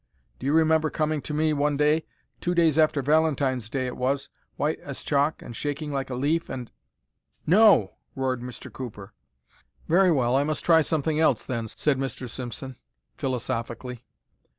"Do you remember coming to me one day—two days after Valentine Day, it was—white as chalk and shaking like a leaf, and—" "NO!" roared Mr. Cooper. "Very well, I must try something else, then," said Mr. Simpson, philosophically.